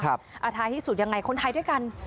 ท้ายที่สุดยังไงคนไทยด้วยกัน